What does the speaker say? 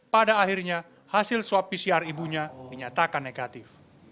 pada akhirnya hasil swab pcr ibunya dinyatakan negatif